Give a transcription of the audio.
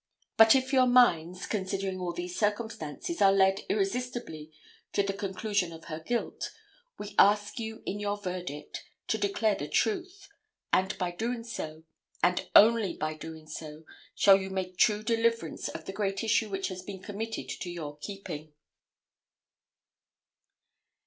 But if your minds, considering all these circumstances, are led irresistibly to the conclusion of her guilt, we ask you in your verdict to declare the truth: and by so doing, and only by so doing, shall you make true deliverance of the great issue which has been committed to your keeping.